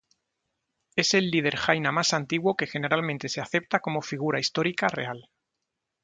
Es el líder jaina más antiguo que generalmente se acepta como figura histórica real.